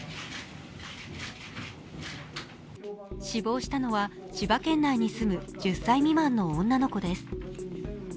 死亡したのは千葉県内に住む１０歳未満の女の子です。